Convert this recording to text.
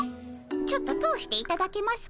ちょっと通していただけますか？